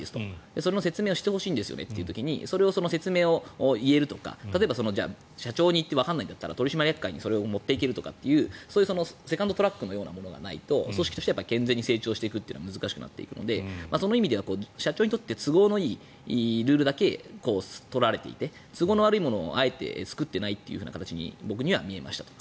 その説明をしてほしいんですよねという時にそれを説明を言えるとか例えば社長に言ってわからないんだったら取締役会にそれを持っていくとかセカンドトラックのようなものがないと組織としては健全に成長していくのは難しくなっていくのでその意味では社長にとって都合のいいルールだけ取られていて、都合の悪いものをあえて作っていないというふうに僕には見えました。